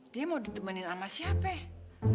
dia mau ditemani sama siapa ya